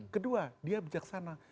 kedua dia bijaksana